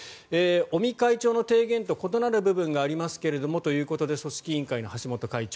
尾身会長の提言と異なる部分がありますけどということで組織委員会の橋本会長。